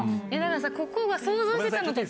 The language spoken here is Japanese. ここが想像してたのと。